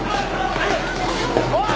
おい！